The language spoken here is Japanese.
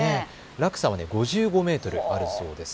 落差は５５メートルあるそうです。